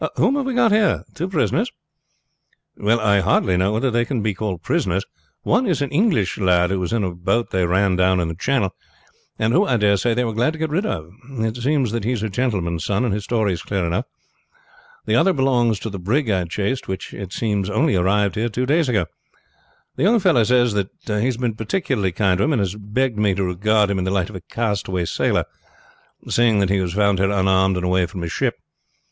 Whom have we got here two prisoners?" "Well, I hardly know whether they can be called prisoners. One is an English lad who was in a boat they run down in the channel, and who, I dare say, they were glad to get rid of. It seems that he is a gentleman's son, and his story is clear enough. The other belongs to the brig I chased, which it seems only arrived here two days ago. The young fellow says that he has been particularly kind to him, and has begged me to regard him in the light of a castaway sailor, seeing that he was found here unarmed and away from his ship.